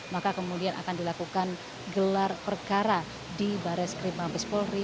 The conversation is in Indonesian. maka kemudian akan dilakukan gelar perkara di baria skrim mampis polri